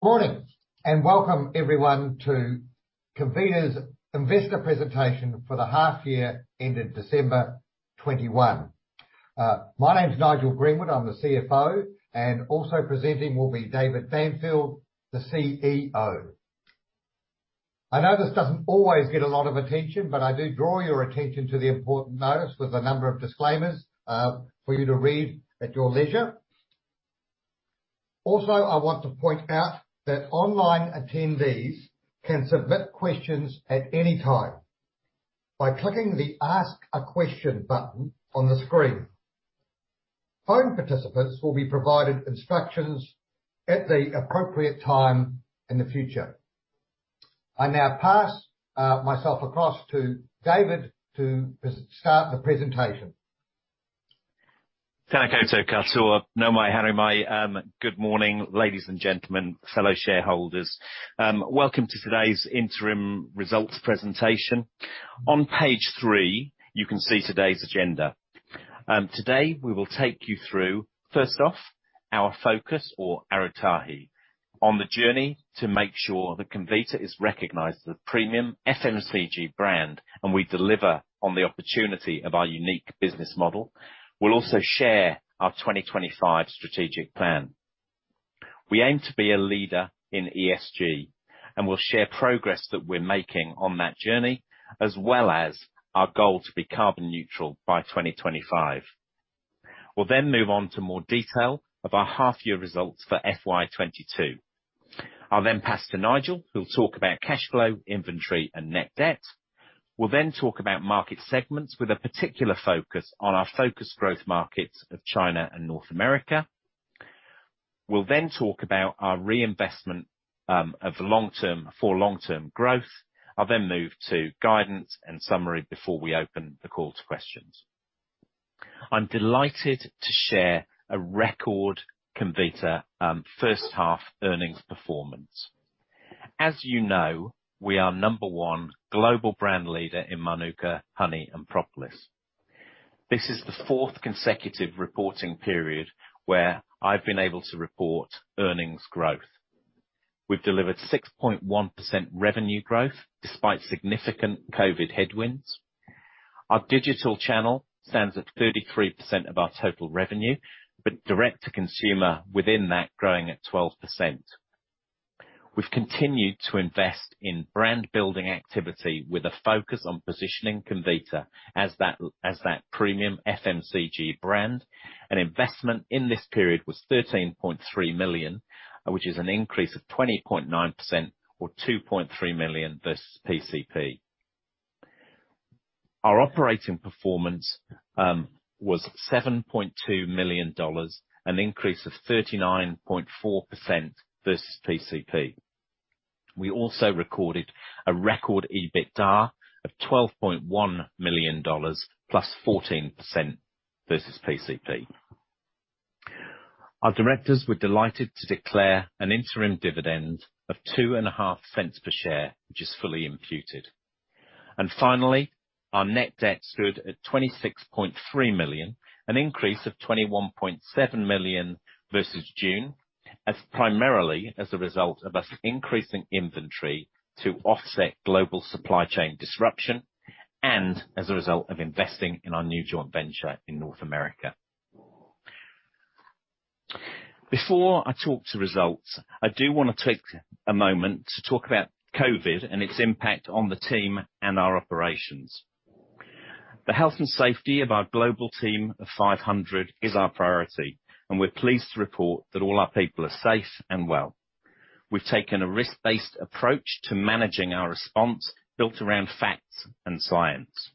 Morning, welcome everyone to Comvita's investor presentation for the half year ended December 2021. My name's Nigel Greenwood, I'm the CFO, and also presenting will be David Banfield, the CEO. I know this doesn't always get a lot of attention, but I do draw your attention to the important notice with a number of disclaimers for you to read at your leisure. Also, I want to point out that online attendees can submit questions at any time by clicking the Ask a Question button on the screen. Phone participants will be provided instructions at the appropriate time in the future. I now pass myself across to David to start the presentation. Good morning, ladies and gentlemen, fellow shareholders. Welcome to today's interim results presentation. On page three, you can see today's agenda. Today, we will take you through, first off, our focus or arotahi on the journey to make sure that Comvita is recognized as a premium FMCG brand, and we deliver on the opportunity of our unique business model. We'll also share our 2025 strategic plan. We aim to be a leader in ESG, and we'll share progress that we're making on that journey, as well as our goal to be carbon neutral by 2025. We'll move on to more detail of our half-year results for FY 2022. I'll pass to Nigel, who'll talk about cash flow, inventory and net debt. We'll talk about market segments with a particular focus on our focus growth markets of China and North America. We'll then talk about our reinvestment of long-term growth. I'll then move to guidance and summary before we open the call to questions. I'm delighted to share a record Comvita first-half earnings performance. As you know, we are number one global brand leader in Mānuka honey and Propolis. This is the fourth consecutive reporting period where I've been able to report earnings growth. We've delivered 6.1% revenue growth despite significant COVID headwinds. Our digital channel stands at 33% of our total revenue, but direct to consumer within that growing at 12%. We've continued to invest in brand building activity with a focus on positioning Comvita as that premium FMCG brand, and investment in this period was 13.3 million, which is an increase of 20.9% or 2.3 million versus PCP. Our operating performance was 7.2 million dollars, an increase of 39.4% versus PCP. We also recorded a record EBITDA of 12.1 million dollars +14% versus PCP. Our directors were delighted to declare an interim dividend of 0.025 per share, which is fully imputed. Finally, our net debt stood at 26.3 million, an increase of 21.7 million versus June, primarily as a result of us increasing inventory to offset global supply chain disruption and as a result of investing in our new joint venture in North America. Before I talk to results, I do wanna take a moment to talk about COVID and its impact on the team and our operations. The health and safety of our global team of 500 is our priority, and we're pleased to report that all our people are safe and well. We've taken a risk-based approach to managing our response built around facts and science.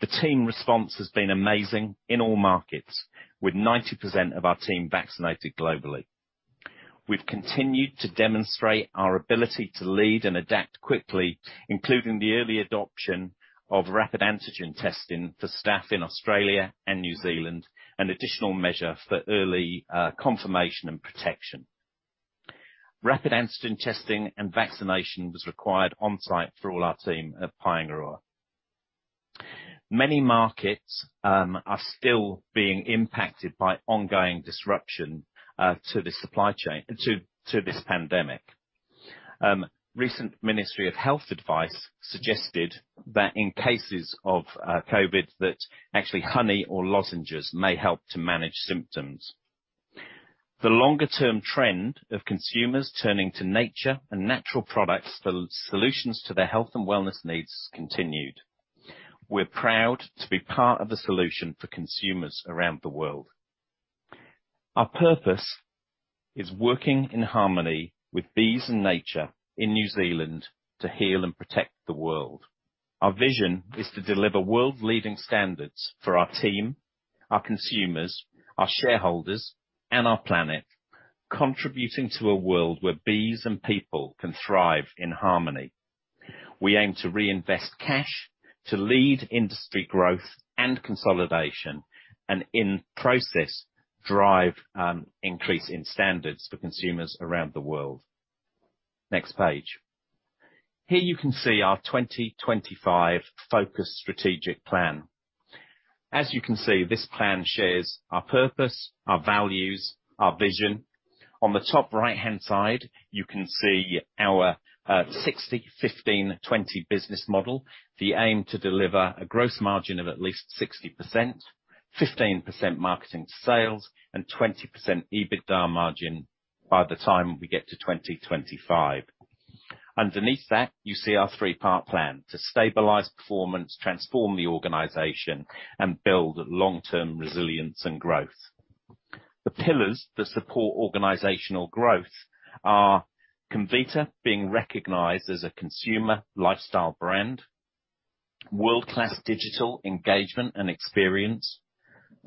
The team response has been amazing in all markets, with 90% of our team vaccinated globally. We've continued to demonstrate our ability to lead and adapt quickly, including the early adoption of rapid antigen testing for staff in Australia and New Zealand, an additional measure for early confirmation and protection. Rapid antigen testing and vaccination was required on-site for all our team at Paengaroa. Many markets are still being impacted by ongoing disruption to this pandemic. Recent Ministry of Health advice suggested that in cases of COVID that actually honey or lozenges may help to manage symptoms. The longer term trend of consumers turning to nature and natural products solutions to their health and wellness needs continued. We're proud to be part of the solution for consumers around the world. Our purpose is working in harmony with bees and nature in New Zealand to heal and protect the world. Our vision is to deliver world-leading standards for our team, our consumers, our shareholders, and our planet, contributing to a world where bees and people can thrive in harmony. We aim to reinvest cash to lead industry growth and consolidation, and in process, drive increase in standards for consumers around the world. Next page. Here you can see our 2025 focus strategic plan. As you can see, this plan shares our purpose, our values, our vision. On the top right-hand side, you can see our 60%/15%/20% business model. The aim to deliver a gross margin of at least 60%, 15% marketing to sales, and 20% EBITDA margin by the time we get to 2025. Underneath that, you see our three-part plan to stabilize performance, transform the organization, and build long-term resilience and growth. The pillars that support organizational growth are Comvita being recognized as a consumer lifestyle brand, world-class digital engagement and experience,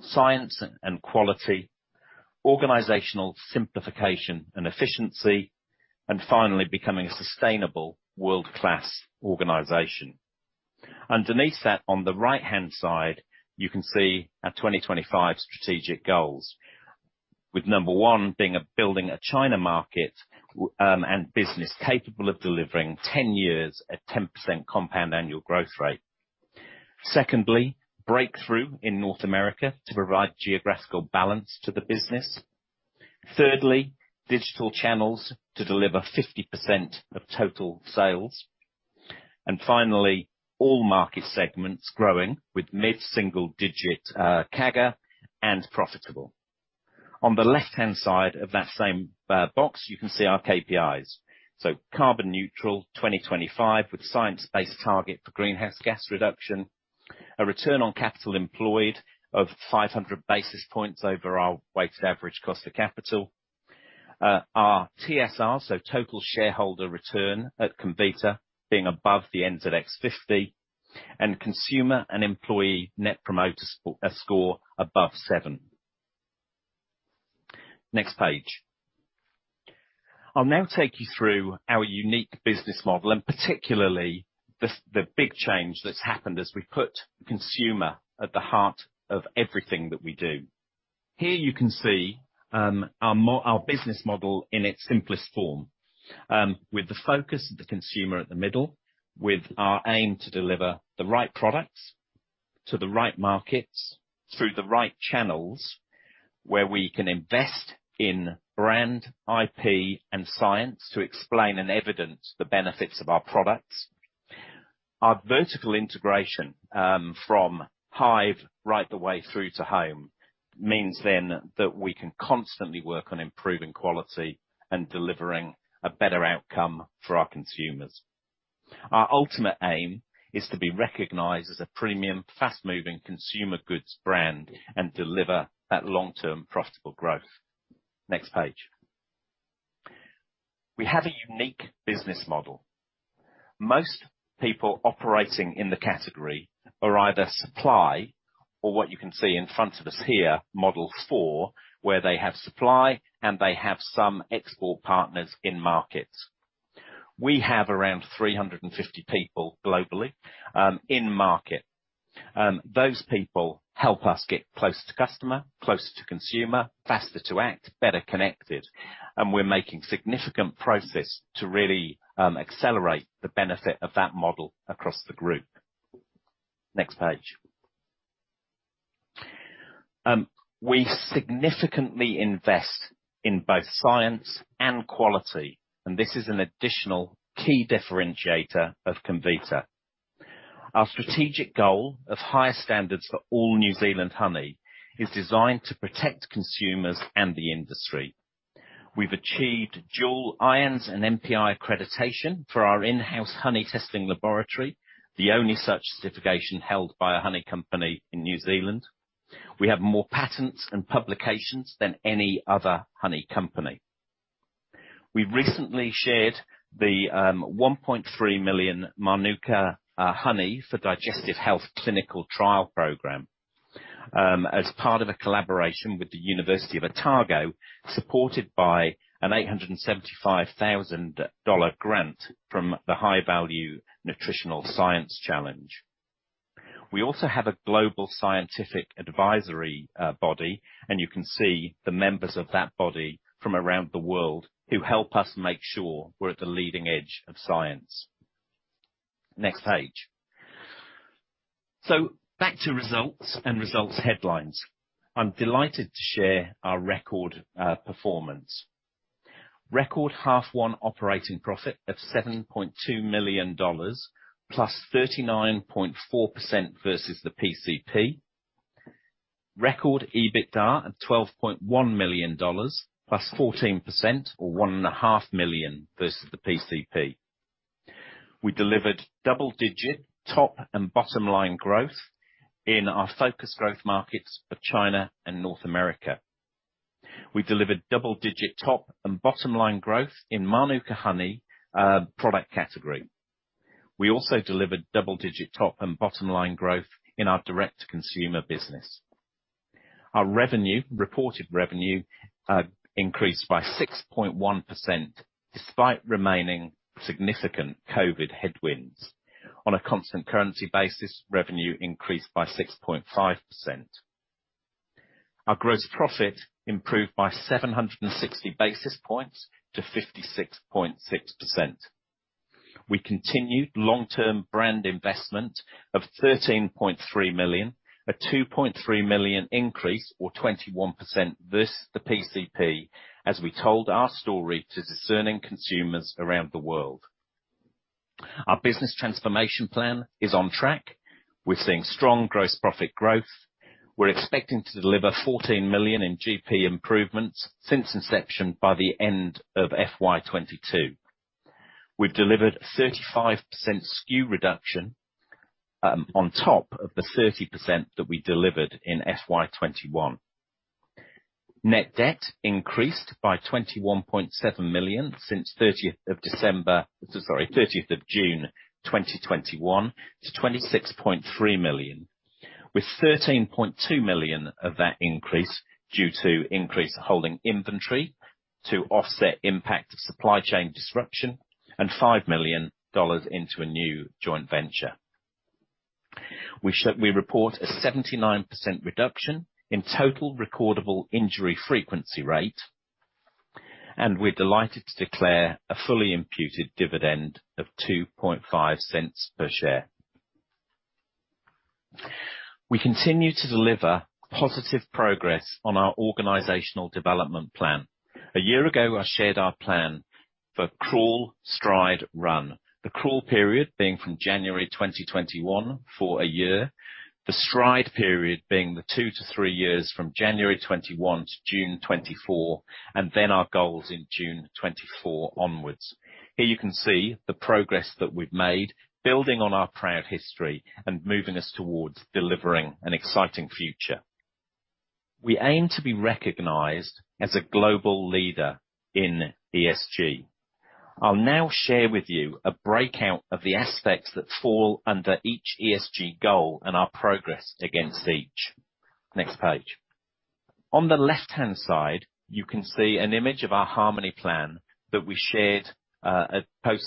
science and quality, organizational simplification and efficiency, and finally, becoming a sustainable world-class organization. Underneath that, on the right-hand side, you can see our 2025 strategic goals, with number 1 being building a China market and business capable of delivering 10 years at 10% compound annual growth rate. Secondly, breakthrough in North America to provide geographical balance to the business. Thirdly, digital channels to deliver 50% of total sales. Finally, all market segments growing with mid-single digit CAGR and profitable. On the left-hand side of that same box, you can see our KPIs. Carbon neutral 2025 with science-based target for greenhouse gas reduction, a return on capital employed of 500 basis points over our weighted average cost of capital, our TSR, so total shareholder return at Comvita being above the NZX 50, and consumer and employee net promoter score above seven. Next page. I'll now take you through our unique business model and particularly the big change that's happened as we put consumer at the heart of everything that we do. Here you can see our business model in its simplest form. With the focus of the consumer at the middle, with our aim to deliver the right products to the right markets through the right channels, where we can invest in brand, IP, and science to explain and evidence the benefits of our products. Our vertical integration, from hive right the way through to home means then that we can constantly work on improving quality and delivering a better outcome for our consumers. Our ultimate aim is to be recognized as a premium, fast-moving consumer goods brand and deliver that long-term profitable growth. Next page. We have a unique business model. Most people operating in the category are either supply or what you can see in front of us here, model four, where they have supply and they have some export partners in markets. We have around 350 people globally, in market. Those people help us get closer to customer, closer to consumer, faster to act, better connected, and we're making significant progress to really accelerate the benefit of that model across the group. Next page. We significantly invest in both science and quality, and this is an additional key differentiator of Comvita. Our strategic goal of higher standards for all New Zealand honey is designed to protect consumers and the industry. We've achieved dual IANZ and MPI accreditation for our in-house honey testing laboratory, the only such certification held by a honey company in New Zealand. We have more patents and publications than any other honey company. We recently shared the 1.3 million Mānuka Honey for Digestive Health clinical trial program as part of a collaboration with the University of Otago, supported by an 875,000 dollar grant from the High-Value Nutrition National Science Challenge. We also have a global scientific advisory body, and you can see the members of that body from around the world who help us make sure we're at the leading edge of science. Next page. Back to results and results headlines. I'm delighted to share our record performance. Record half one operating profit of 7.2 million dollars +39.4% versus the PCP. Record EBITDA at 12.1 million dollars, +14% or 1.5 million versus the PCP. We delivered double digit top and bottom line growth in our focus growth markets of China and North America. We delivered double digit top and bottom line growth in Mānuka honey product category. We also delivered double digit top and bottom line growth in our direct consumer business. Our revenue, reported revenue, increased by 6.1% despite remaining significant COVID headwinds. On a constant currency basis, revenue increased by 6.5%. Our gross profit improved by 760 basis points to 56.6%. We continued long-term brand investment of 13.3 million, a 2.3 million increase or 21% versus the PCP, as we told our story to discerning consumers around the world. Our business transformation plan is on track. We're seeing strong gross profit growth. We're expecting to deliver 14 million in GP improvements since inception by the end of FY 2022. We've delivered 35% SKU reduction on top of the 30% that we delivered in FY 2021. Net debt increased by 21.7 million since 30 of June 2021 to 26.3 million, with 13.2 million of that increase due to increased holding inventory to offset impact of supply chain disruption and 5 million dollars into a new joint venture. We report a 79% reduction in total recordable injury frequency rate, and we're delighted to declare a fully imputed dividend of 0.025 per share. We continue to deliver positive progress on our organizational development plan. A year ago, I shared our plan for crawl, stride, run. The crawl period being from January 2021 for a year, the stride period being the two to three years from January 2021 to June 2024, and then our goals in June 2024 onwards. Here you can see the progress that we've made, building on our proud history and moving us towards delivering an exciting future. We aim to be recognized as a global leader in ESG. I'll now share with you a breakout of the aspects that fall under each ESG goal and our progress against each. Next page. On the left-hand side, you can see an image of our Harmony Plan that we shared after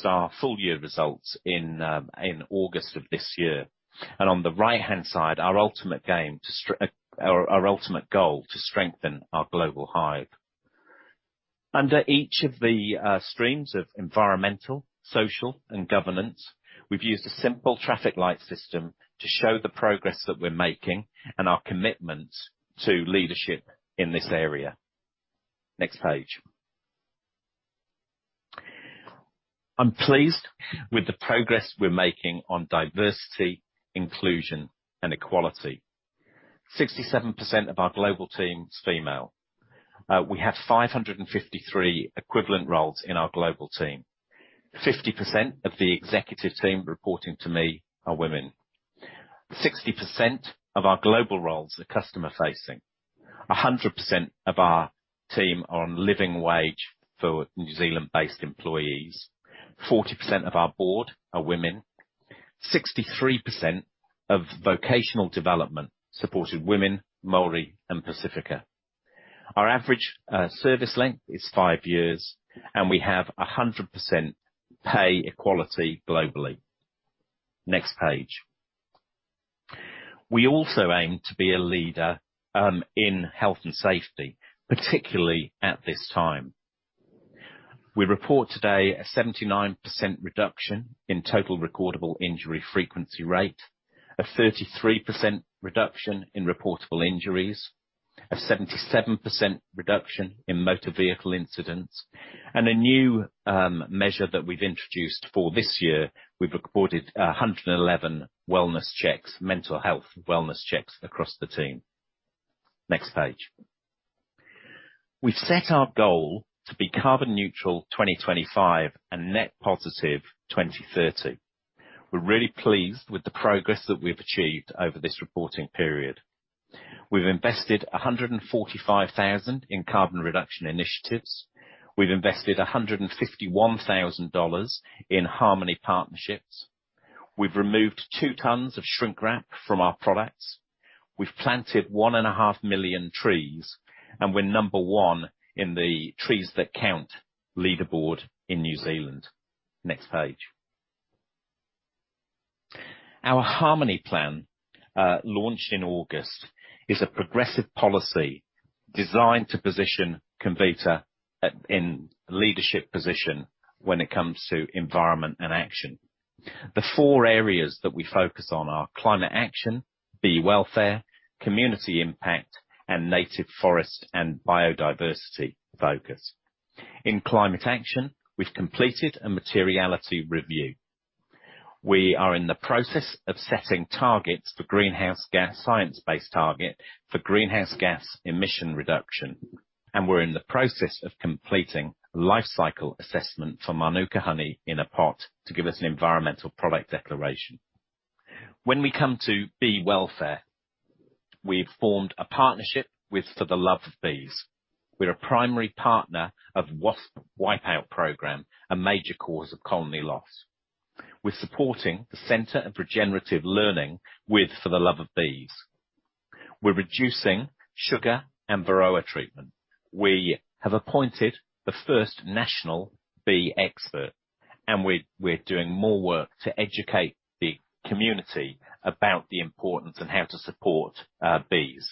our full year results in August of this year. On the right-hand side, our ultimate goal to strengthen our global hive. Under each of the streams of environmental, social, and governance, we've used a simple traffic light system to show the progress that we're making and our commitment to leadership in this area. Next page. I'm pleased with the progress we're making on diversity, inclusion, and equality. 67% of our global team is female. We have 553 equivalent roles in our global team. 50% of the executive team reporting to me are women. 60% of our global roles are customer-facing. 100% of our team are on living wage for New Zealand-based employees. 40% of our board are women. 63% of vocational development supported women, Māori, and Pasifika. Our average service length is five years, and we have 100% pay equality globally. Next page. We also aim to be a leader in health and safety, particularly at this time. We report today a 79% reduction in total recordable injury frequency rate, a 33% reduction in reportable injuries, a 77% reduction in motor vehicle incidents, and a new measure that we've introduced for this year. We've reported 111 wellness checks, mental health wellness checks across the team. Next page. We've set our goal to be carbon neutral 2025 and net positive 2030. We're really pleased with the progress that we've achieved over this reporting period. We've invested 145,000 in carbon reduction initiatives. We've invested 151,000 dollars in Harmony partnerships. We've removed 2 tons of shrink wrap from our products. We've planted 1.5 million trees, and we're number one in the Trees That Count leaderboard in New Zealand. Next page. Our Harmony Plan launched in August is a progressive policy designed to position Comvita at, in leadership position when it comes to environment and action. The four areas that we focus on are climate action, bee welfare, community impact, and native forest and biodiversity focus. In climate action, we've completed a materiality review. We are in the process of setting targets for greenhouse gas, science-based target for greenhouse gas emission reduction, and we're in the process of completing life cycle assessment for Mānuka honey in a pot to give us an environmental product declaration. When we come to bee welfare, we've formed a partnership with For the Love of Bees. We're a primary partner of Wasp Wipeout program, a major cause of colony loss. We're supporting the Center of Regenerative Learning with For the Love of Bees. We're reducing sugar and Varroa treatment. We have appointed the first national bee expert. We're doing more work to educate the community about the importance and how to support bees.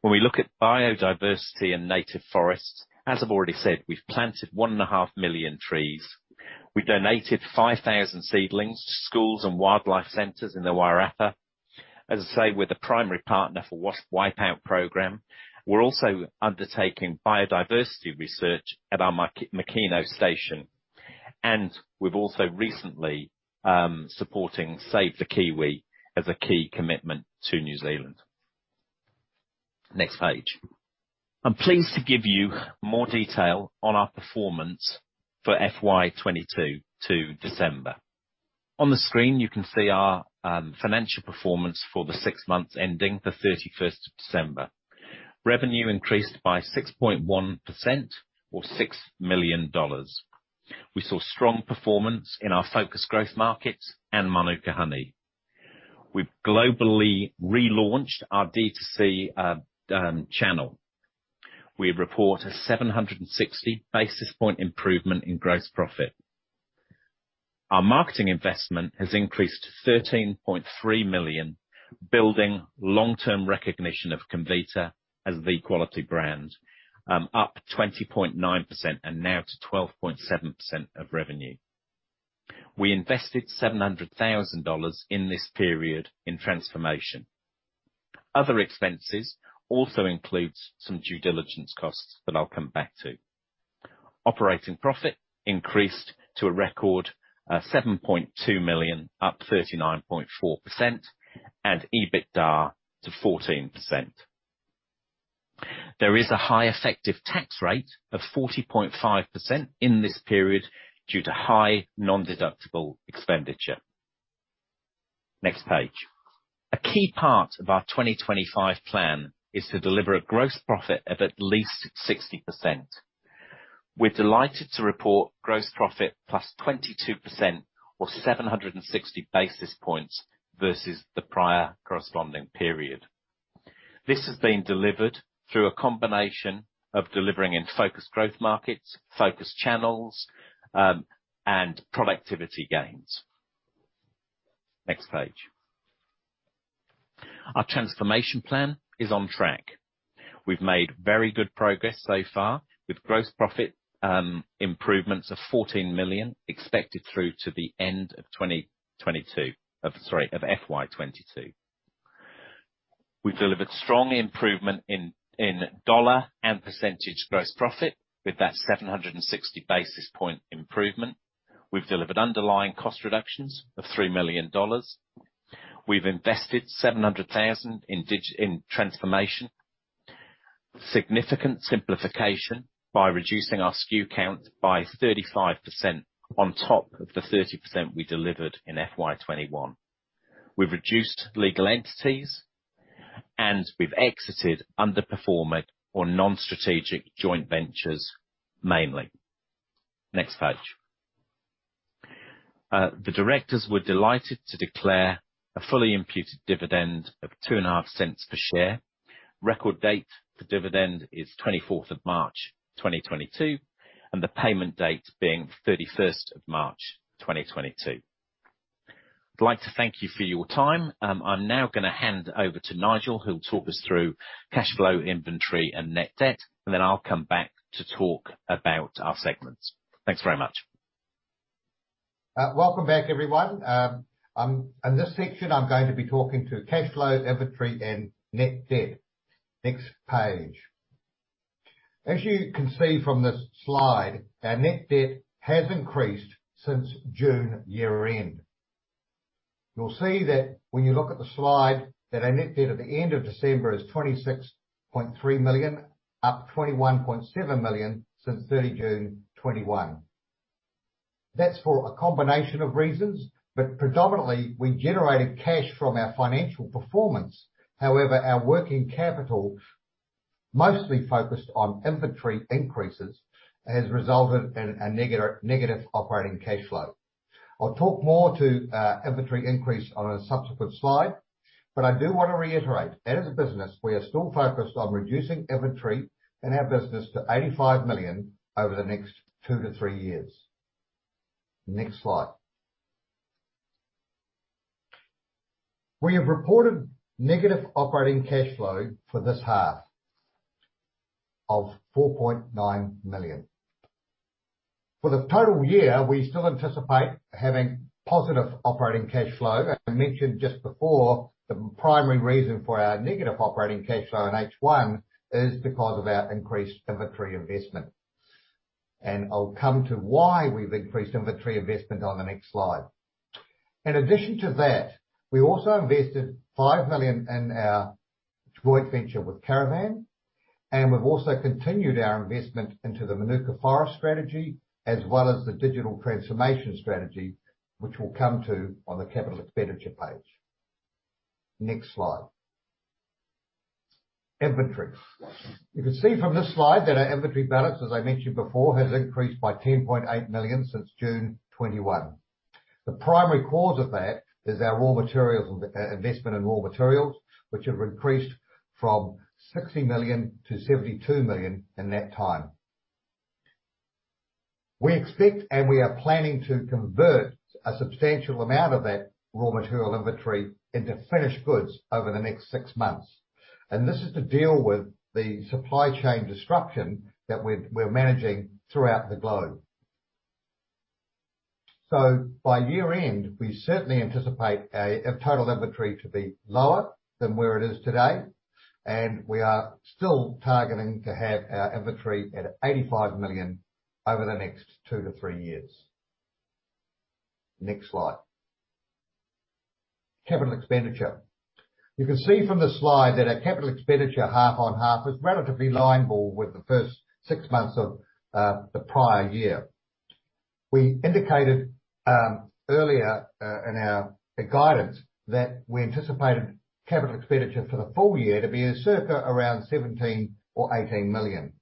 When we look at biodiversity and native forests, as I've already said, we've planted 1.5 million trees. We donated 5,000 seedlings to schools and wildlife centers in the Wairarapa. As I say, we're the primary partner for Wasp Wipeout program. We're also undertaking biodiversity research at our Makino Station. We've also recently supporting Save the Kiwi as a key commitment to New Zealand. Next page. I'm pleased to give you more detail on our performance for FY 2022 to December. On the screen, you can see our financial performance for the six months ending the 31st of December. Revenue increased by 6.1% or 6 million dollars. We saw strong performance in our focus growth markets and Mānuka honey. We've globally relaunched our D2C channel. We report a 760 basis point improvement in gross profit. Our marketing investment has increased to 13.3 million, building long-term recognition of Comvita as the quality brand, up 20.9% and now to 12.7% of revenue. We invested 700,000 dollars in this period in transformation. Other expenses also includes some due diligence costs that I'll come back to. Operating profit increased to a record 7.2 million, up 39.4%, and EBITDA to 14%. There is a high effective tax rate of 40.5% in this period due to high non-deductible expenditure. Next page. A key part of our 2025 plan is to deliver a gross profit of at least 60%. We're delighted to report gross profit +22% or 760 basis points versus the prior corresponding period. This has been delivered through a combination of delivering in focus growth markets, focus channels, and productivity gains. Next page. Our transformation plan is on track. We've made very good progress so far with gross profit improvements of 14 million expected through to the end of FY 2022. We've delivered strong improvement in dollar and percentage gross profit with that 760 basis point improvement. We've delivered underlying cost reductions of 3 million dollars. We've invested 700,000 in digital transformation. Significant simplification by reducing our SKU count by 35% on top of the 30% we delivered in FY 2021. We've reduced legal entities, and we've exited underperforming or non-strategic joint ventures, mainly. Next page. The directors were delighted to declare a fully imputed dividend of 0.025 per share. Record date for dividend is 24th of March, 2022, and the payment date being 31st of March, 2022. I'd like to thank you for your time. I'm now gonna hand over to Nigel, who'll talk us through cash flow, inventory and net debt, and then I'll come back to talk about our segments. Thanks very much. Welcome back, everyone. In this section, I'm going to be talking to cash flow, inventory and net debt. Next page. As you can see from this slide, our net debt has increased since June year-end. You'll see that when you look at the slide that our net debt at the end of December is 26.3 million, up 21.7 million since 30 June 2021. That's for a combination of reasons, but predominantly, we generated cash from our financial performance. However, our working capital, mostly focused on inventory increases, has resulted in a negative operating cash flow. I'll talk more to inventory increase on a subsequent slide, but I do wanna reiterate, as a business, we are still focused on reducing inventory in our business to 85 million over the next two to three years. Next slide. We have reported negative operating cash flow for this half of 4.9 million. For the total year, we still anticipate having positive operating cash flow. As I mentioned just before, the primary reason for our negative operating cash flow in H1 is because of our increased inventory investment. I'll come to why we've increased inventory investment on the next slide. In addition to that, we also invested $5 million in our joint venture with Caravan, and we've also continued our investment into the Mānuka Forest strategy as well as the digital transformation strategy, which we'll come to on the capital expenditure page. Next slide. Inventory. You can see from this slide that our inventory balance, as I mentioned before, has increased by 10.8 million since June 2021. The primary cause of that is our raw materials and investment in raw materials, which have increased from 60 million to 72 million in that time. We expect and we are planning to convert a substantial amount of that raw material inventory into finished goods over the next six months. This is to deal with the supply chain disruption that we're managing throughout the globe. By year end, we certainly anticipate our total inventory to be lower than where it is today, and we are still targeting to have our inventory at 85 million over the next two to three years. Next slide. Capital expenditure. You can see from the slide that our capital expenditure half on half is relatively line ball with the first six months of the prior year. We indicated earlier in our guidance that we anticipated capital expenditure for the full year to be circa around 17 million or 18 million.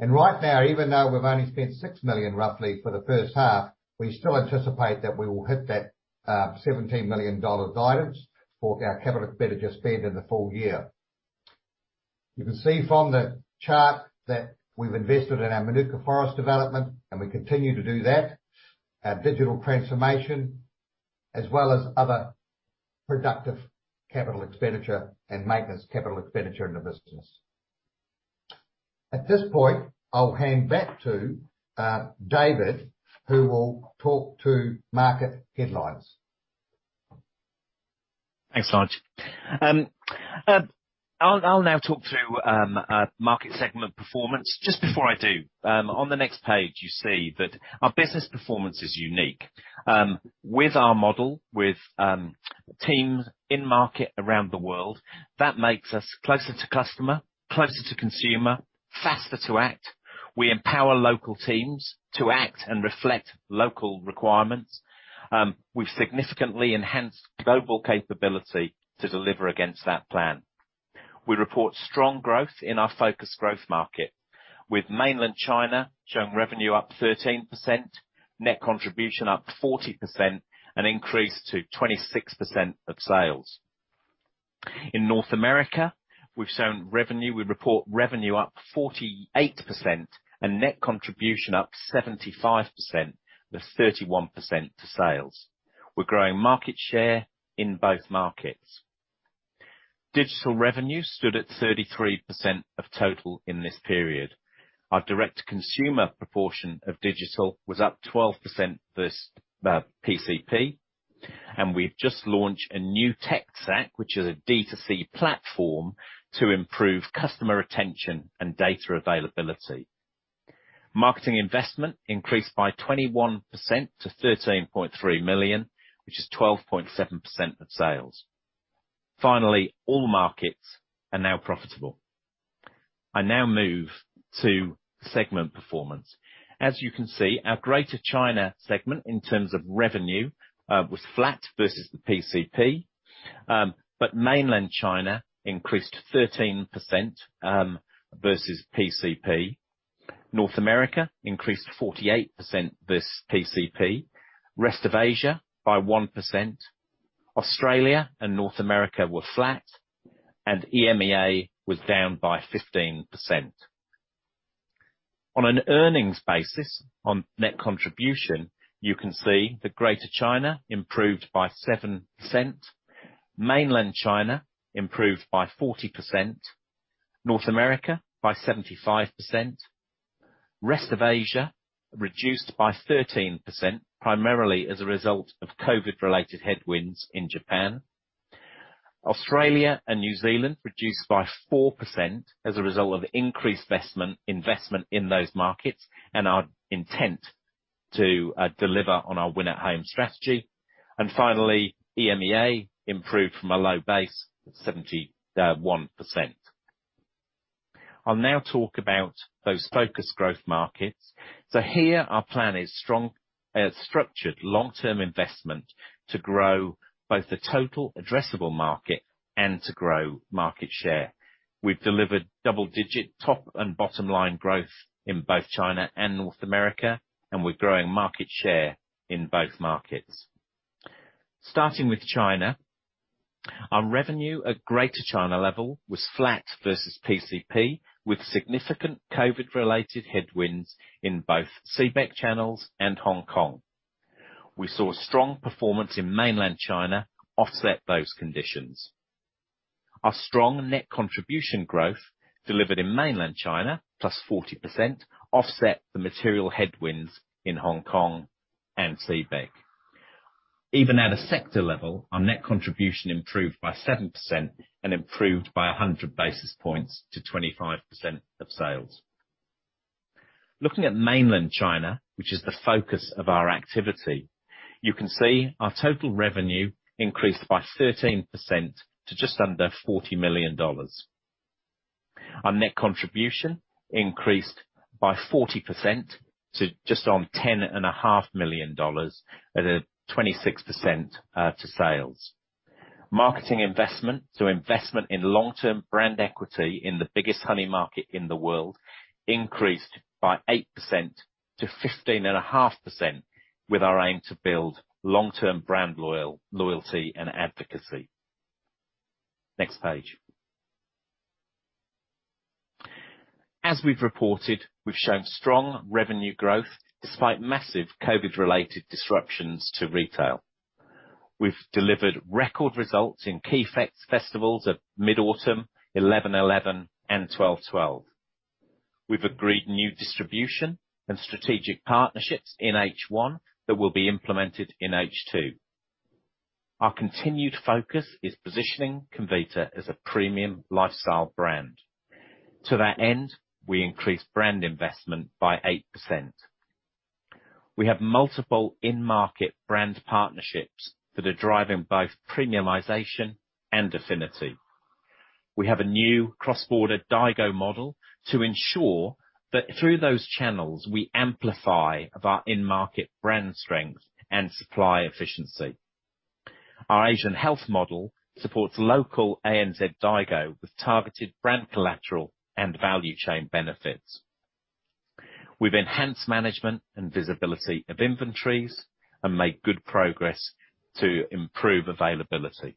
Right now, even though we've only spent 6 million roughly for the first half, we still anticipate that we will hit that 17 million dollar guidance for our capital expenditure spend in the full year. You can see from the chart that we've invested in our Mānuka forest development, and we continue to do that, our digital transformation, as well as other productive capital expenditure and maintenance capital expenditure in the business. At this point, I'll hand back to David, who will talk to market headlines. Thanks, Nigel. I'll now talk through market segment performance. Just before I do, on the next page, you see that our business performance is unique. With our model, teams in-market around the world, that makes us closer to customer, closer to consumer, faster to act. We empower local teams to act and reflect local requirements. We've significantly enhanced global capability to deliver against that plan. We report strong growth in our focused growth market, with Mainland China showing revenue up 13%, net contribution up 40%, an increase to 26% of sales. In North America, we report revenue up 48% and net contribution up 75%, with 31% to sales. We're growing market share in both markets. Digital revenue stood at 33% of total in this period. Our direct consumer proportion of digital was up 12% versus PCP, and we've just launched a new tech stack, which is a D2C platform to improve customer retention and data availability. Marketing investment increased by 21% to 13.3 million, which is 12.7% of sales. Finally, all markets are now profitable. I now move to segment performance. As you can see, our Greater China segment in terms of revenue was flat versus the PCP. But Mainland China increased 13% versus PCP. North America increased 48% versus PCP. Rest of Asia by 1%. Australia and North America were flat, and EMEA was down by 15%. On an earnings basis, on net contribution, you can see that Greater China improved by 7%. Mainland China improved by 40%. North America by 75%. Rest of Asia reduced by 13%, primarily as a result of COVID-related headwinds in Japan. Australia and New Zealand reduced by 4% as a result of increased investment in those markets and our intent to deliver on our win at home strategy. Finally, EMEA improved from a low base of 71%. I'll now talk about those focused growth markets. Here our plan is strong, structured long-term investment to grow both the total addressable market and to grow market share. We've delivered double-digit top and bottom line growth in both China and North America, and we're growing market share in both markets. Starting with China, our revenue at Greater China level was flat versus PCP, with significant COVID-related headwinds in both CBEC channels and Hong Kong. We saw strong performance in mainland China offset those conditions. Our strong net contribution growth delivered in mainland China, +40%, offset the material headwinds in Hong Kong and CBEC. Even at a sector level, our net contribution improved by 7% and improved by 100 basis points to 25% of sales. Looking at mainland China, which is the focus of our activity, you can see our total revenue increased by 13% to just under 40 million dollars. Our net contribution increased by 40% to just on 10.5 million dollars at a 26% to sales. Marketing investment to investment in long-term brand equity in the biggest honey market in the world increased by 8% to 15.5% with our aim to build long-term brand loyalty and advocacy. Next page. We've reported, we've shown strong revenue growth despite massive COVID-related disruptions to retail. We've delivered record results in key festivals of mid-autumn, 11.11, and 12.12. We've agreed new distribution and strategic partnerships in H1 that will be implemented in H2. Our continued focus is positioning Comvita as a premium lifestyle brand. To that end, we increased brand investment by 8%. We have multiple in-market brand partnerships that are driving both premiumization and affinity. We have a new cross-border daigou model to ensure that through those channels, we amplify our in-market brand strength and supply efficiency. Our Asian health model supports local ANZ daigou with targeted brand collateral and value chain benefits. We've enhanced management and visibility of inventories and made good progress to improve availability.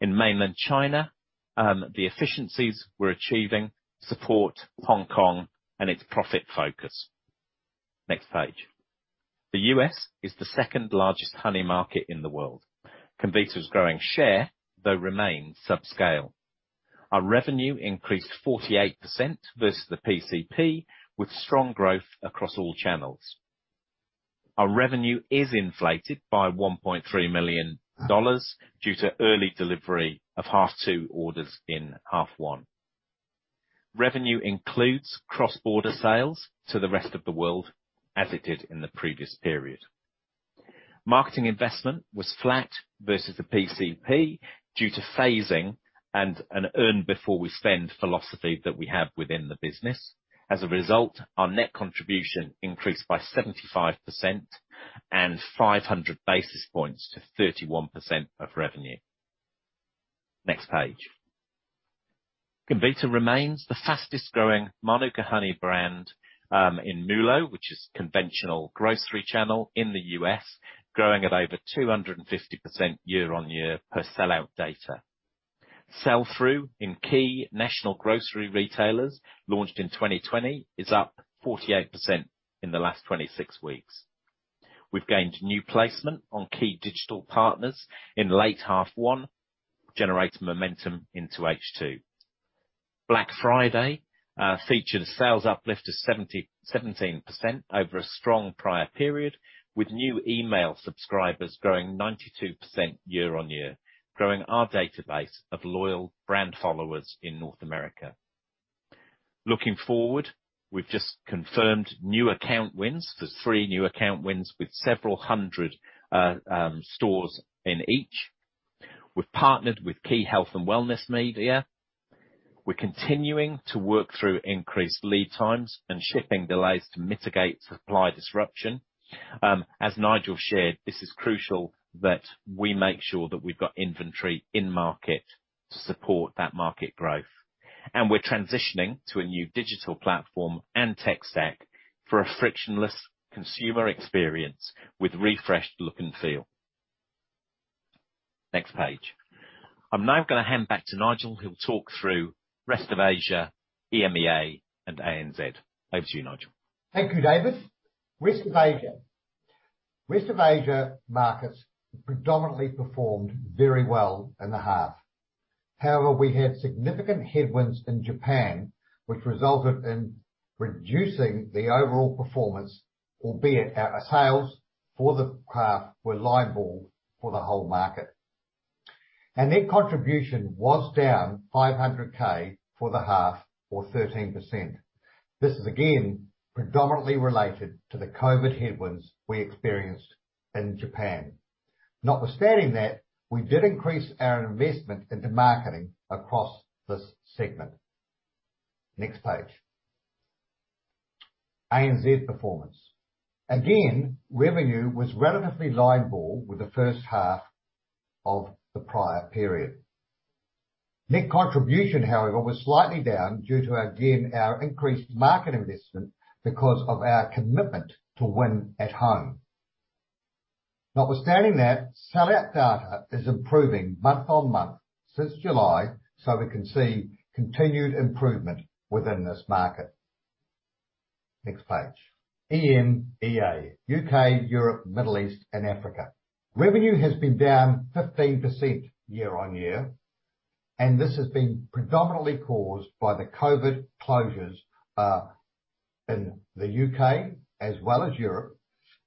In Mainland China, the efficiencies we're achieving support Hong Kong and its profit focus. Next page. The U.S. is the second-largest honey market in the world. Comvita's growing share, though, remains subscale. Our revenue increased 48% versus the PCP, with strong growth across all channels. Our revenue is inflated by 1.3 million dollars due to early delivery of half two orders in half one. Revenue includes cross-border sales to the rest of the world as it did in the previous period. Marketing investment was flat versus the PCP due to phasing and an earn before we spend philosophy that we have within the business. As a result, our net contribution increased by 75% and 500 basis points to 31% of revenue. Next page. Comvita remains the fastest growing Mānuka honey brand in MULO, which is conventional grocery channel in the U.S., growing at over 250% year-over-year per sellout data. Sell-through in key national grocery retailers launched in 2020 is up 48% in the last 26 weeks. We've gained new placement on key digital partners in late H1, generating momentum into H2. Black Friday featured a sales uplift of 77% over a strong prior period, with new email subscribers growing 92% year-over-year, growing our database of loyal brand followers in North America. Looking forward, we've just confirmed new account wins for three accounts with several hundred stores in each. We've partnered with key health and wellness media. We're continuing to work through increased lead times and shipping delays to mitigate supply disruption. As Nigel shared, this is crucial that we make sure that we've got inventory in market to support that market growth. We're transitioning to a new digital platform and tech stack for a frictionless consumer experience with refreshed look and feel. Next page. I'm now gonna hand back to Nigel who'll talk through Rest of Asia, EMEA, and ANZ. Over to you, Nigel. Thank you, David. Rest of Asia markets predominantly performed very well in the half. However, we had significant headwinds in Japan, which resulted in reducing the overall performance, albeit our sales for the half were line ball for the whole market. Our net contribution was down 500,000 for the half or 13%. This is again predominantly related to the COVID headwinds we experienced in Japan. Notwithstanding that, we did increase our investment into marketing across this segment. Next page. ANZ performance. Again, revenue was relatively line ball with the first half of the prior period. Net contribution, however, was slightly down due to again our increased market investment because of our commitment to win at home. Notwithstanding that, sellout data is improving month-on-month since July, so we can see continued improvement within this market. Next page. EMEA, U.K., Europe, Middle East, and Africa. Revenue has been down 15% year-on-year, and this has been predominantly caused by the COVID closures in the U.K. as well as Europe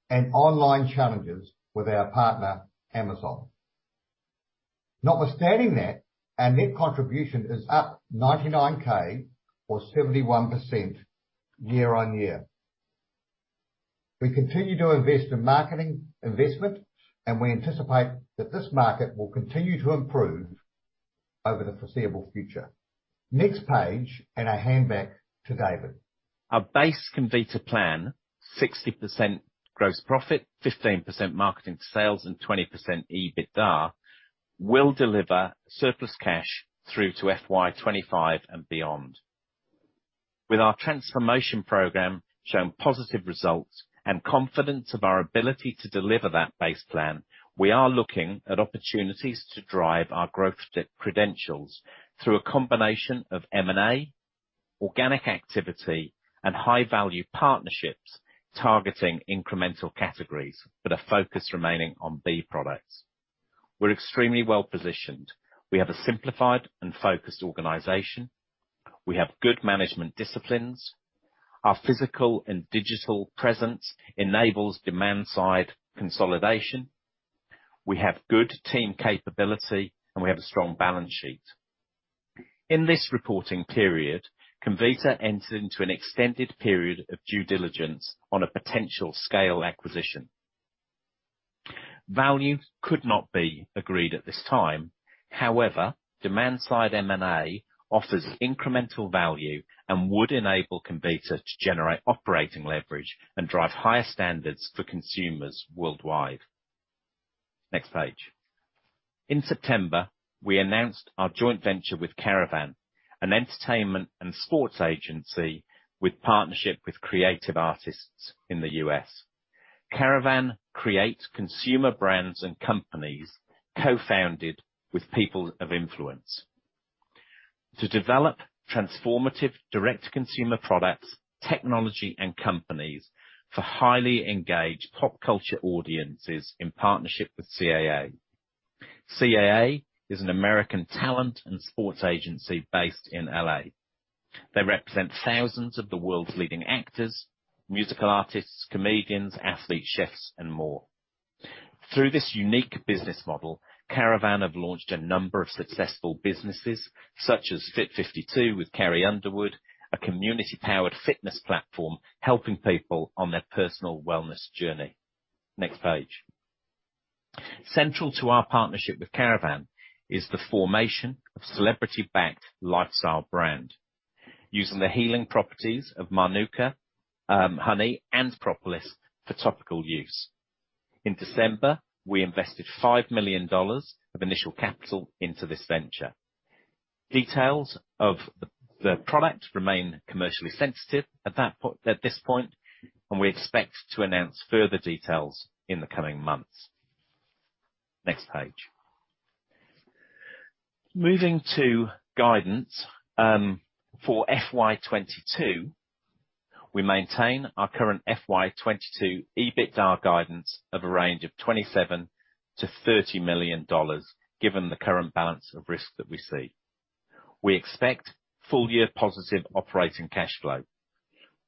and online challenges with our partner, Amazon. Notwithstanding that, our net contribution is up 99,000 or 71% year-on-year. We continue to invest in marketing investment, and we anticipate that this market will continue to improve over the foreseeable future. Next page, and I hand back to David. Our base Comvita plan, 60% gross profit, 15% marketing to sales, and 20% EBITDA, will deliver surplus cash through to FY 2025 and beyond. With our transformation program showing positive results and confidence of our ability to deliver that base plan, we are looking at opportunities to drive our growth fit credentials through a combination of M&A, organic activity, and high-value partnerships targeting incremental categories with a focus remaining on bee products. We're extremely well-positioned. We have a simplified and focused organization. We have good management disciplines. Our physical and digital presence enables demand-side consolidation. We have good team capability, and we have a strong balance sheet. In this reporting period, Comvita entered into an extended period of due diligence on a potential scale acquisition. Value could not be agreed at this time. However, demand-side M&A offers incremental value and would enable Comvita to generate operating leverage and drive higher standards for consumers worldwide. Next page. In September, we announced our joint venture with Caravan, an entertainment and sports agency with partnership with Creative Artists in the U.S. Caravan creates consumer brands and companies co-founded with people of influence to develop transformative direct consumer products, technology, and companies for highly engaged pop culture audiences in partnership with CAA. CAA is an American talent and sports agency based in L.A. They represent thousands of the world's leading actors, musical artists, comedians, athletes, chefs, and more. Through this unique business model, Caravan have launched a number of successful businesses such as Fit52 with Carrie Underwood, a community-powered fitness platform helping people on their personal wellness journey. Next page. Central to our partnership with Carrie Underwood is the formation of celebrity-backed lifestyle brand using the healing properties of Mānuka honey and Propolis for topical use. In December, we invested 5 million dollars of initial capital into this venture. Details of the product remain commercially sensitive at this point, and we expect to announce further details in the coming months. Next page. Moving to guidance for FY 2022. We maintain our current FY 2022 EBITDA guidance of a range of 27 million-30 million dollars, given the current balance of risk that we see. We expect full-year positive operating cash flow.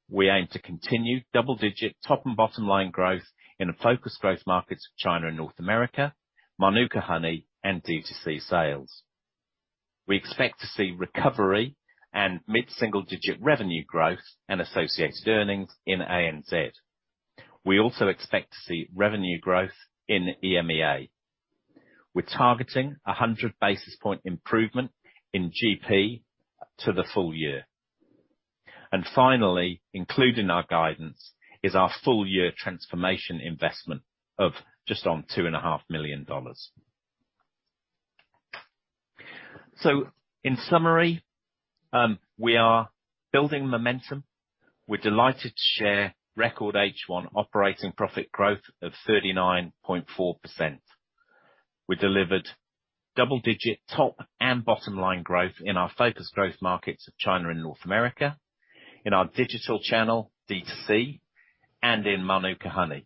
We aim to continue double-digit top and bottom line growth in the focus growth markets of China and North America, Mānuka honey and D2C sales. We expect to see recovery and mid-single digit revenue growth and associated earnings in ANZ. We also expect to see revenue growth in EMEA. We're targeting 100 basis point improvement in GP to the full year. Finally, including our guidance, is our full year transformation investment of just on 2.5 million dollars. In summary, we are building momentum. We're delighted to share record H1 operating profit growth of 39.4%. We delivered double-digit top and bottom line growth in our focus growth markets of China and North America, in our digital channel, D2C, and in Mānuka honey.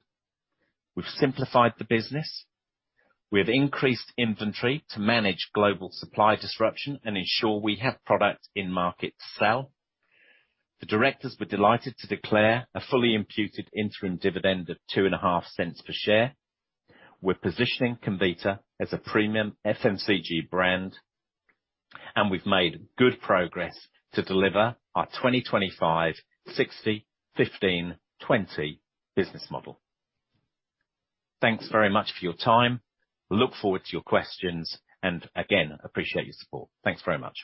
We've simplified the business. We have increased inventory to manage global supply disruption and ensure we have product in market to sell. The directors were delighted to declare a fully imputed interim dividend of 0.025 per share. We're positioning Comvita as a premium FMCG brand, and we've made good progress to deliver our 2025 60%/15%/20% business model. Thanks very much for your time. I look forward to your questions, and again, I appreciate your support. Thanks very much.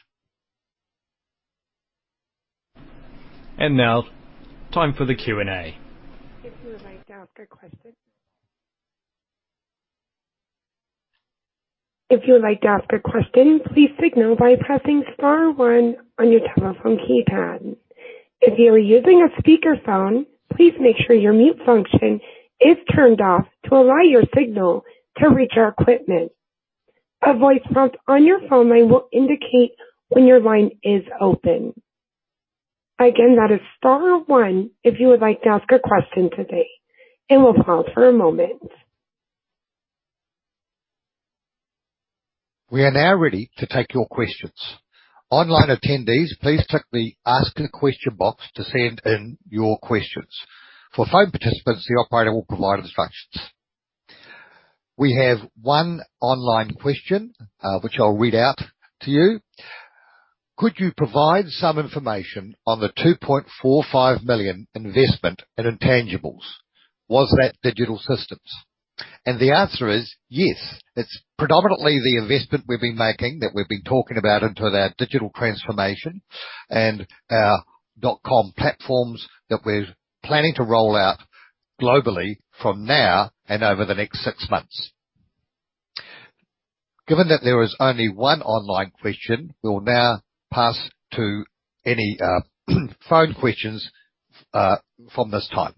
Now time for the Q&A. If you would like to ask a question. If you would like to ask a question, please signal by pressing star one on your telephone keypad. If you are using a speakerphone, please make sure your mute function is turned off to allow your signal to reach our equipment. A voice prompt on your phone line will indicate when your line is open. Again, that is star one if you would like to ask a question today, and we'll pause for a moment. We are now ready to take your questions. Online attendees, please click the Ask a Question box to send in your questions. For phone participants, the operator will provide instructions. We have one online question, which I'll read out to you. Could you provide some information on the 2.45 million investment in intangibles? Was that digital systems? The answer is yes. It's predominantly the investment we've been making that we've been talking about into our digital transformation and our dotcom platforms that we're planning to roll out globally from now and over the next six months. Given that there is only one online question, we will now pass to any phone questions from this time.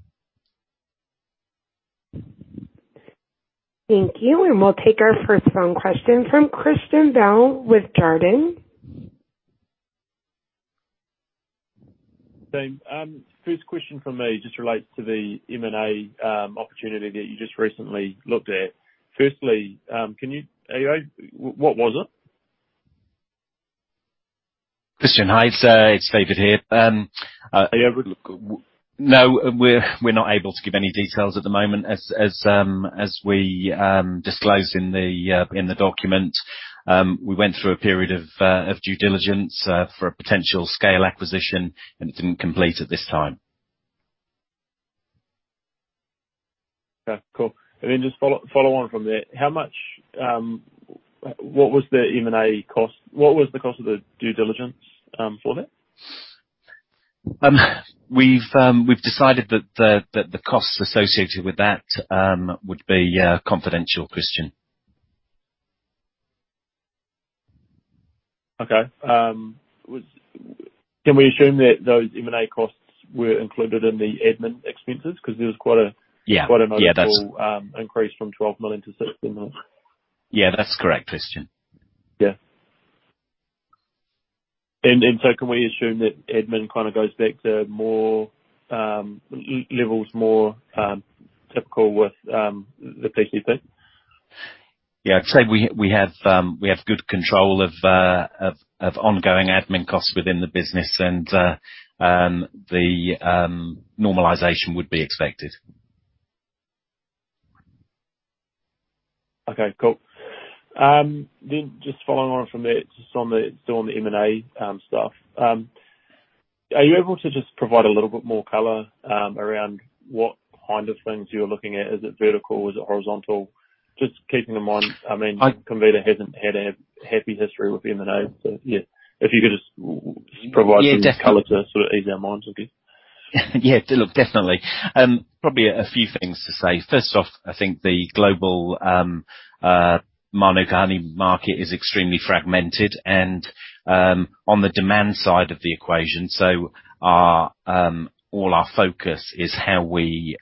Thank you. We'll take our first phone question from Christian Bell with Jarden. Same. First question from me just relates to the M&A opportunity that you just recently looked at. Firstly, what was it? Christian, hi. It's David here. Are you able to g- No, we're not able to give any details at the moment. As we disclosed in the document, we went through a period of due diligence for a potential scale acquisition, and it didn't complete at this time. Okay, cool. Just follow on from there. How much, what was the M&A cost? What was the cost of the due diligence for that? We've decided that the costs associated with that would be confidential, Christian. Can we assume that those M&A costs were included in the admin expenses? Yeah. Quite a notable increase from 12 million to 16 million. Yeah, that's correct, Christian. Can we assume that admin kinda goes back to more lower levels more typical with the PCP? Yeah. I'd say we have good control of ongoing admin costs within the business and the normalization would be expected. Okay, cool. Just following on from there, still on the M&A stuff, are you able to just provide a little bit more color around what kind of things you're looking at? Is it vertical? Is it horizontal? Just keeping in mind, I mean I- Comvita hasn't had a happy history with M&A. Yeah. If you could just w- Yeah, definitely. Provide some color to sort of ease our minds a bit. Yeah. Look, definitely. Probably a few things to say. First off, I think the global Mānuka honey market is extremely fragmented and on the demand side of the equation. Our focus is how we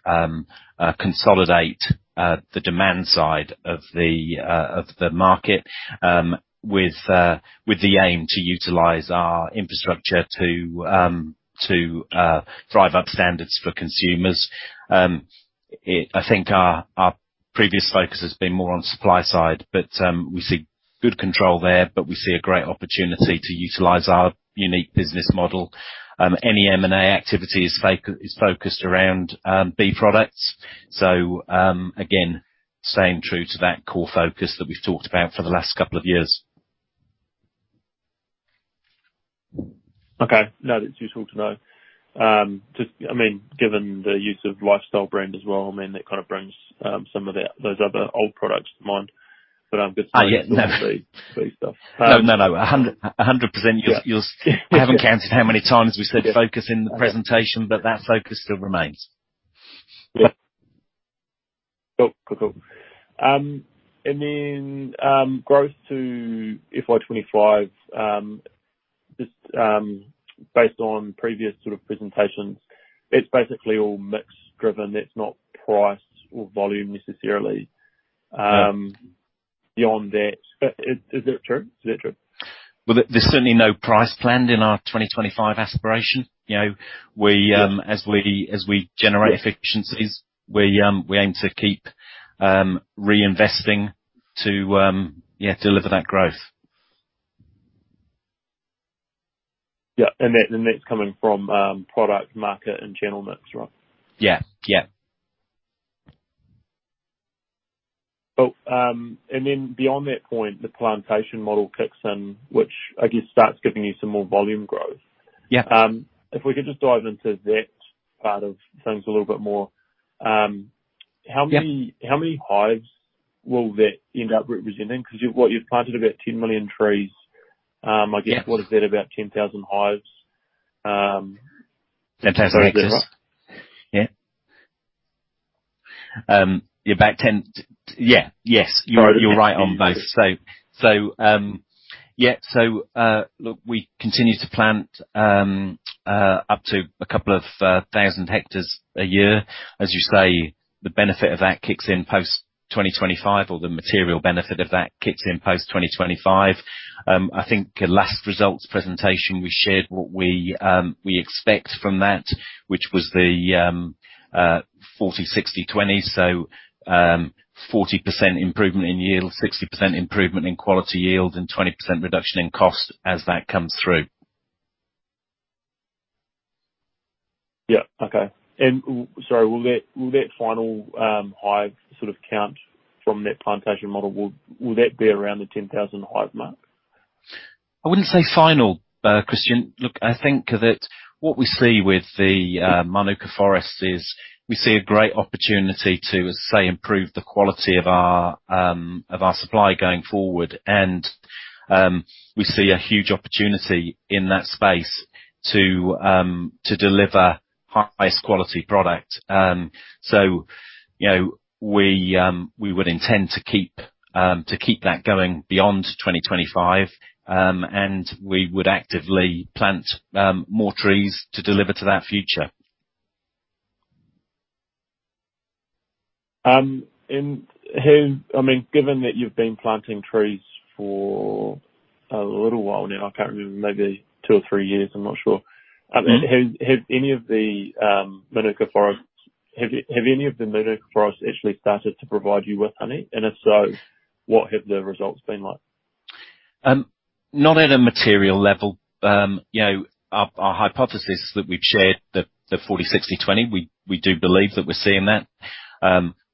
consolidate the demand side of the market with the aim to utilize our infrastructure to drive up standards for consumers. I think our previous focus has been more on supply side, but we see good control there, but we see a great opportunity to utilize our unique business model. Any M&A activity is focused around bee products. Again, staying true to that core focus that we've talked about for the last couple of years. Okay. No, that's useful to know. Just, I mean, given the use of lifestyle brand as well, I mean, that kind of brings some of the, those other old products to mind, but I'm guessing. Oh, yeah. It's more the bee stuff. No. Yeah. 100%. You're Yeah. We haven't counted how many times we said focus in the presentation. Yeah. that focus still remains. Yeah. Cool. Growth to FY 2025, just based on previous sort of presentations, it's basically all mix driven. It's not price or volume necessarily. Yeah. beyond that. Is that true? Is that true? Well, there's certainly no price planned in our 2025 aspiration. You know, we Yeah. as we generate efficiencies Yeah. We aim to keep reinvesting to yeah deliver that growth. Yeah. That's coming from product, market and channel mix, right? Yeah. Yeah. Cool. Beyond that point, the plantation model kicks in, which I guess starts giving you some more volume growth. Yeah. If we could just dive into that part of things a little bit more. Yeah. How many hives will that end up representing? 'Cause you've planted about 10 million trees. I guess Yeah. What is that? About 10,000 hives. Fantastic. to start? Yeah. Yeah, about 10. Yeah. Yes. All right. You're right on both. Yeah, look, we continue to plant up to 2,000 hectares a year. As you say, the benefit of that kicks in post 2025, or the material benefit of that kicks in post 2025. I think at last results presentation, we shared what we expect from that, which was the 40/60/20. 40% improvement in yield, 60% improvement in quality yield, and 20% reduction in cost as that comes through. Yeah. Okay. Sorry, will that final hive sort of count from that plantation model be around the 10,000-hive mark? I wouldn't say final, Christian. Look, I think that what we see with the Mānuka forest is we see a great opportunity to, say, improve the quality of our of our supply going forward. We see a huge opportunity in that space to deliver high-based quality product. You know, we would intend to keep that going beyond 2025. We would actively plant more trees to deliver to that future. I mean, given that you've been planting trees for a little while now, I can't remember, maybe two or three years, I'm not sure. Mm-hmm. Have any of the Mānuka forests actually started to provide you with honey? If so, what have the results been like? Not at a material level. You know, our hypothesis that we've shared, the 40%/60%/20%, we do believe that we're seeing that.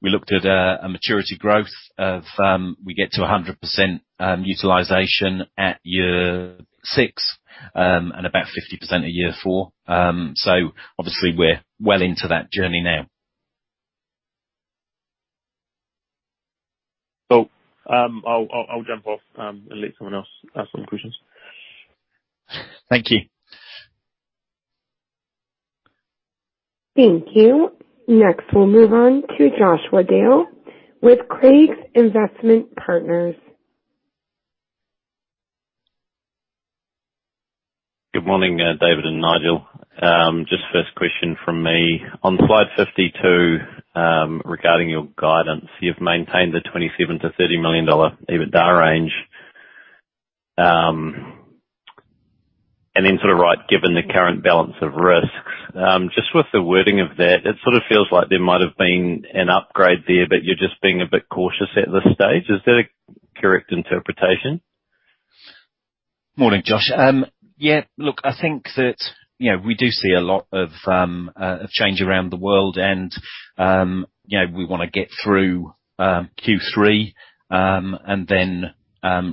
We looked at a maturity growth of, we get to 100% utilization at year six, and about 50% at year four. Obviously we're well into that journey now. Cool. I'll jump off and let someone else ask some questions. Thank you. Thank you. Next, we'll move on to Joshua Dale with Craigs Investment Partners. Good morning, David and Nigel. Just first question from me. On slide 52, regarding your guidance. You've maintained the 27 million-30 million dollar EBITDA range. Then sort of right, given the current balance of risks, just with the wording of that, it sort of feels like there might have been an upgrade there, but you're just being a bit cautious at this stage. Is that a correct interpretation? Morning, Josh. Yeah, look, I think that, you know, we do see a lot of change around the world and, you know, we wanna get through Q3 and then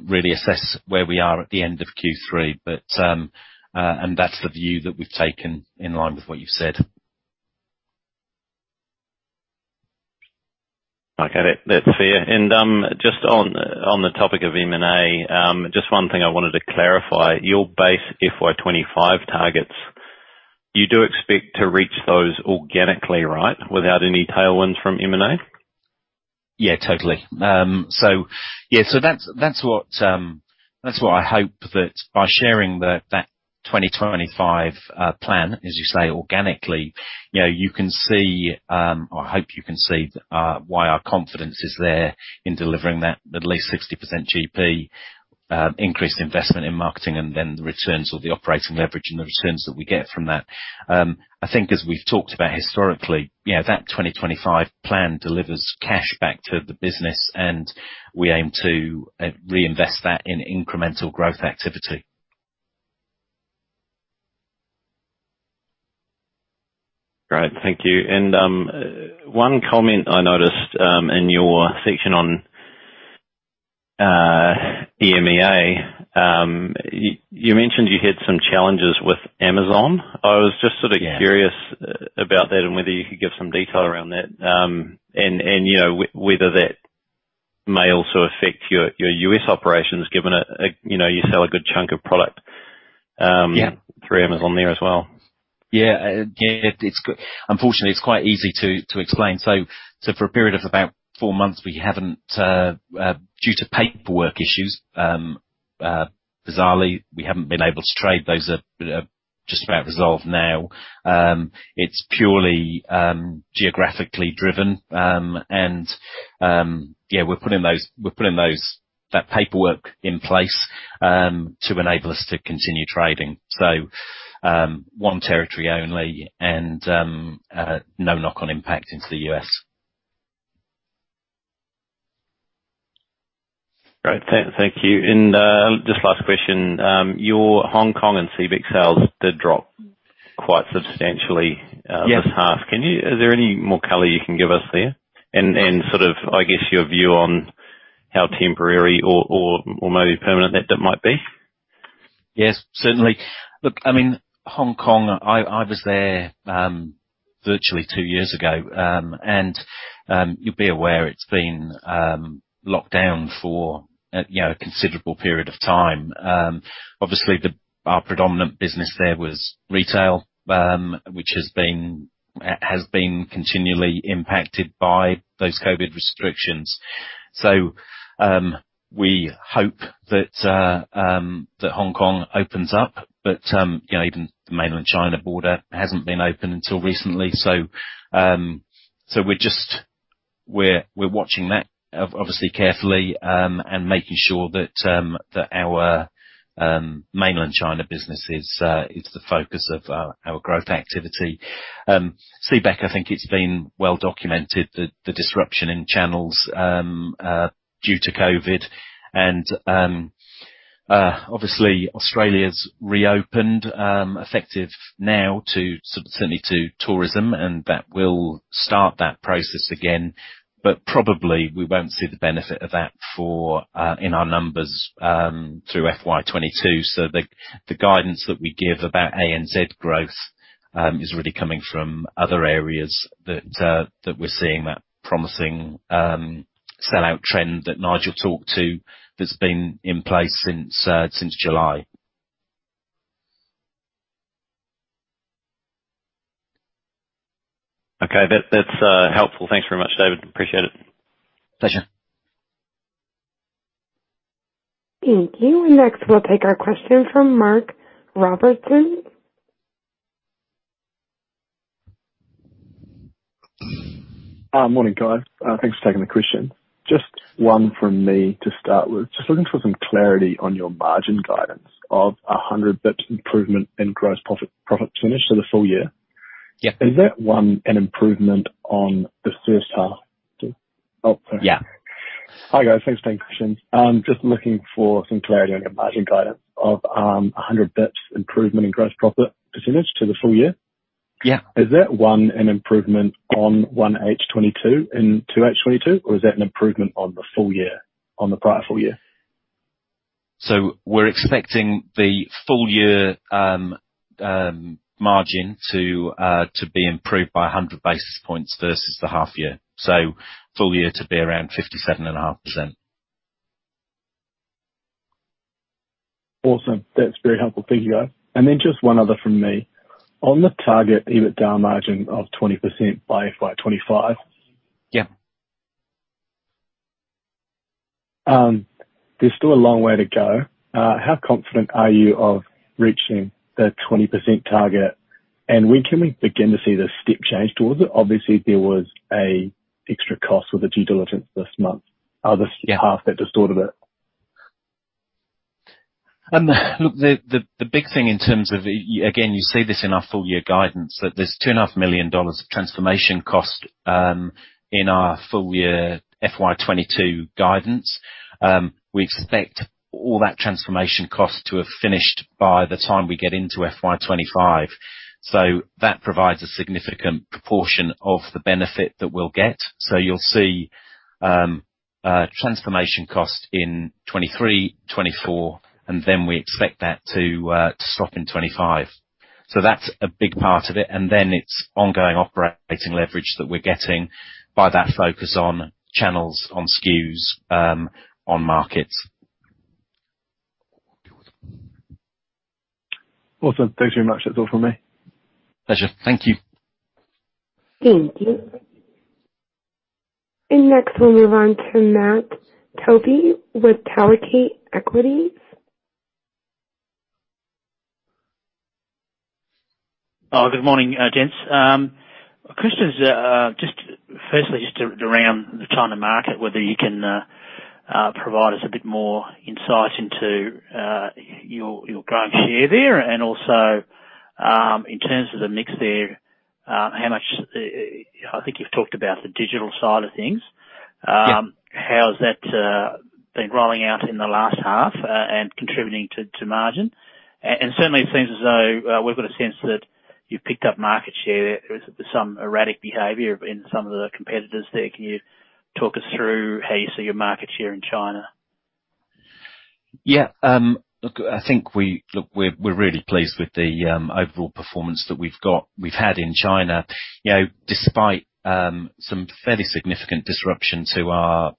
really assess where we are at the end of Q3. That's the view that we've taken in line with what you've said. Okay. That's fair. Just on the topic of M&A, just one thing I wanted to clarify. Your base FY 2025 targets, you do expect to reach those organically, right, without any tailwinds from M&A? Yeah, totally. That's what I hope that by sharing the 2025 plan, as you say, organically, you know, you can see, or I hope you can see, why our confidence is there in delivering that at least 60% GP, increased investment in marketing and then the returns or the operating leverage and the returns that we get from that. I think as we've talked about historically, you know, that 2025 plan delivers cash back to the business, and we aim to reinvest that in incremental growth activity. Great. Thank you. One comment I noticed in your section on EMEA. You mentioned you had some challenges with Amazon. Yeah. I was just sort of curious about that and whether you could give some detail around that. You know, whether that may also affect your U.S. operations, given you know, you sell a good chunk of product. Yeah through Amazon there as well. Yeah, unfortunately, it's quite easy to explain. For a period of about four months, due to paperwork issues, bizarrely, we haven't been able to trade. Those are just about resolved now. It's purely geographically driven. We're putting that paperwork in place to enable us to continue trading. One territory only and no knock-on impact into the U.S. Great. Thank you. Just last question. Your Hong Kong and CBEC sales did drop quite substantially? Yeah This half. Is there any more color you can give us there, and sort of, I guess, your view on how temporary or maybe permanent that might be? Yes, certainly. Look, I mean, Hong Kong, I was there virtually two years ago. You'll be aware it's been locked down for you know a considerable period of time. Obviously our predominant business there was retail, which has been continually impacted by those COVID restrictions. We hope that Hong Kong opens up, but you know even the Mainland China border hasn't been open until recently. We're watching that obviously carefully and making sure that our Mainland China business is the focus of our growth activity. CBEC, I think it's been well documented that the disruption in channels due to COVID and obviously Australia's reopened effective now, certainly to tourism, and that will start that process again. But probably we won't see the benefit of that in our numbers through FY 2022. The guidance that we give about ANZ growth is really coming from other areas that we're seeing that promising sellout trend that Nigel talked to that's been in place since July. Okay. That's helpful. Thanks very much, David. Appreciate it. Pleasure. Thank you. Next, we'll take our question from Mark Robertson. Morning, guys. Thanks for taking the question. Just one from me to start with. Just looking for some clarity on your margin guidance of 100 basis points improvement in gross profit margin for the full year. Yeah. Is that one an improvement on the first half? Oh, sorry. Yeah. Hi, guys. Thanks for taking the questions. Just looking for some clarity on your margin guidance of 100 basis points improvement in gross profit percentage to the full year. Yeah. Is that one an improvement on 1H 2022 and 2H 2022, or is that an improvement on the full year, on the prior full year? We're expecting the full year margin to be improved by 100 basis points versus the half year. Full year to be around 57.5%. Awesome. That's very helpful. Thank you, guys. Just one other from me. On the target EBITDA margin of 20% by FY 2025- Yeah There's still a long way to go. How confident are you of reaching the 20% target? When can we begin to see the step change towards it? Obviously, there was a extra cost with the due diligence this month. Yeah. Other half that distorted it. Look, the big thing in terms of again, you see this in our full-year guidance, that there's 2.5 million dollars of transformation cost in our full-year FY 2022 guidance. We expect all that transformation cost to have finished by the time we get into FY 2025. That provides a significant proportion of the benefit that we'll get. You'll see transformation cost in 2023, 2024, and then we expect that to stop in 2025. That's a big part of it. Then it's ongoing operating leverage that we're getting by that focus on channels, on SKUs, on markets. Awesome. Thanks very much. That's all for me. Pleasure. Thank you. Thank you. Next, we'll move on to Mark Topy with Select Equities. Oh, good morning, gents. Questions, just firstly around the China market, whether you can provide us a bit more insight into your growing share there. Also, in terms of the mix there, how much, I think you've talked about the digital side of things. Yeah. How's that been rolling out in the last half and contributing to margin? Certainly it seems as though we've got a sense that you've picked up market share. There's some erratic behavior in some of the competitors there. Can you talk us through how you see your market share in China? Look, we're really pleased with the overall performance that we've had in China. You know, despite some fairly significant disruption to our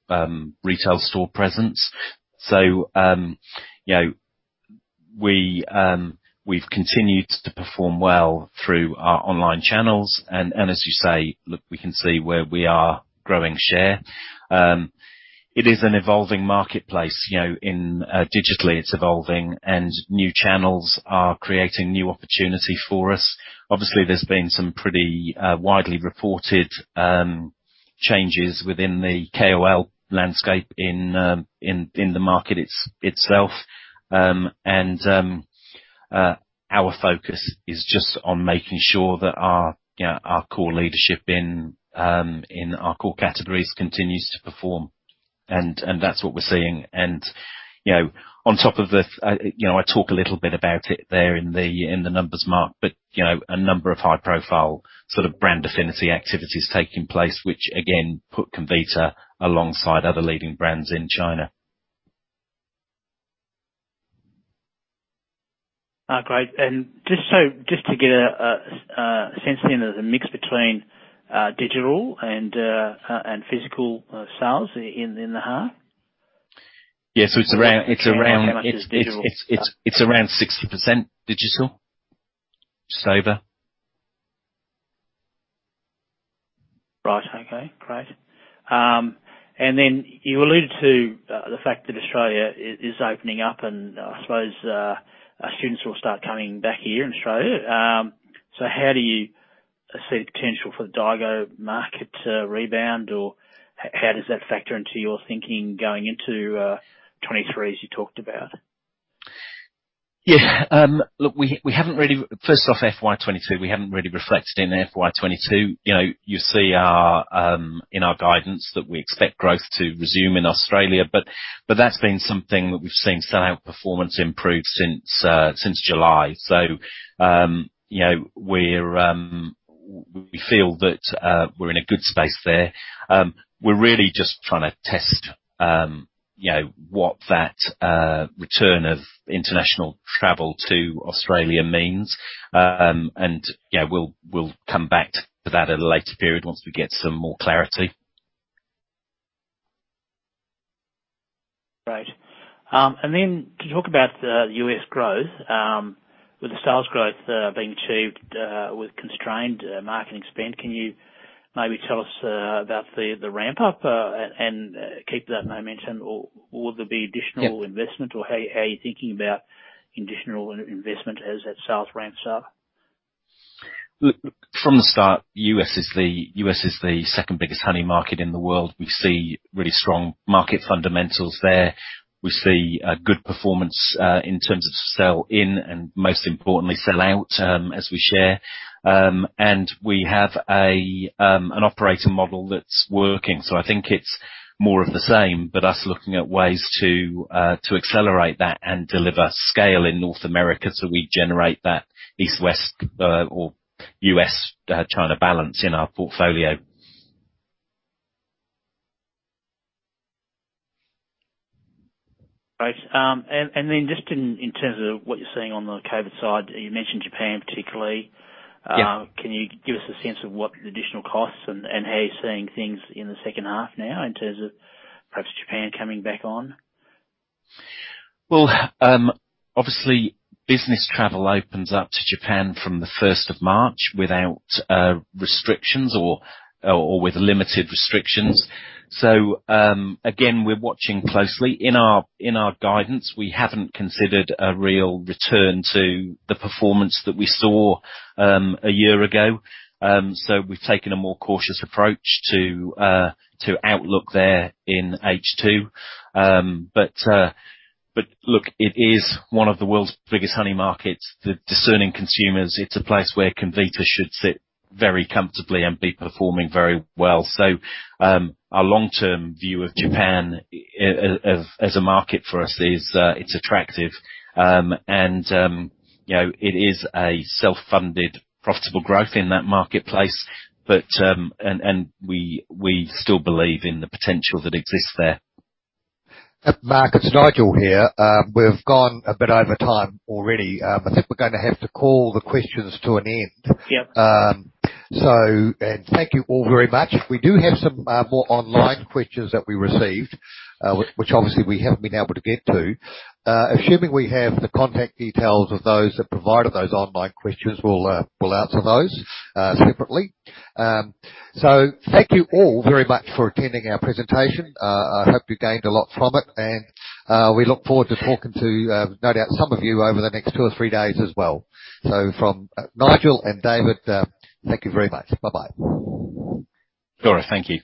retail store presence. You know, we've continued to perform well through our online channels. As you say, look, we can see where we are growing share. It is an evolving marketplace, you know, in digitally, it's evolving, and new channels are creating new opportunity for us. Obviously, there's been some pretty widely reported changes within the KOL landscape in the market itself. Our focus is just on making sure that our, you know, our core leadership in our core categories continues to perform. That's what we're seeing. You know, on top of the, you know, I talk a little bit about it there in the numbers, Mark, but, you know, a number of high profile sort of brand affinity activities taking place, which again, put Comvita alongside other leading brands in China. Oh, great. Just to get a sense then of the mix between digital and physical sales in the half. Yeah. It's around. How much is digital? It's around 60% digital, just over. Right. Okay. Great. You alluded to the fact that Australia is opening up and I suppose students will start coming back here in Australia. How do you see the potential for the daigou market to rebound or how does that factor into your thinking going into 2023, as you talked about? First off, FY 2022, we haven't really reflected in FY 2022. You know, you see in our guidance that we expect growth to resume in Australia. That's been something that we've seen sell-through performance improve since July. You know, we feel that we're in a good space there. We're really just trying to test, you know, what that return of international travel to Australia means. We'll come back to that at a later period once we get some more clarity. Great. Can you talk about the U.S. growth with the sales growth being achieved with constrained marketing spend. Can you maybe tell us about the ramp-up and keep that momentum or will there be additional- Yeah. Investment? Or how are you thinking about additional investment as that sales ramps up? Look, from the start, U.S. is the second biggest honey market in the world. We see really strong market fundamentals there. We see a good performance in terms of sell in, and most importantly, sell out, as we share. And we have an operator model that's working. I think it's more of the same, but we're looking at ways to accelerate that and deliver scale in North America so we generate that East-West or U.S.-China balance in our portfolio. Great. Just in terms of what you're seeing on the COVID side, you mentioned Japan particularly. Yeah. Can you give us a sense of what the additional costs and how you're seeing things in the second half now in terms of perhaps Japan coming back on? Well, obviously business travel opens up to Japan from the first of March without restrictions or with limited restrictions. Again, we're watching closely. In our guidance, we haven't considered a real return to the performance that we saw a year ago. We've taken a more cautious approach to the outlook there in H2. Look, it is one of the world's biggest honey markets. The discerning consumers. It's a place where Comvita should sit very comfortably and be performing very well. Our long-term view of Japan as a market for us is, it's attractive. You know, it is a self-funded profitable growth in that marketplace. We still believe in the potential that exists there. Mark, it's Nigel here. We've gone a bit over time already. I think we're gonna have to call the questions to an end. Yeah. Thank you all very much. We do have some more online questions that we received, which obviously we haven't been able to get to. Assuming we have the contact details of those that provided those online questions, we'll answer those separately. Thank you all very much for attending our presentation. I hope you gained a lot from it. We look forward to talking to no doubt some of you over the next two or three days as well. From Nigel and David, thank you very much. Bye-bye. Sure. Thank you.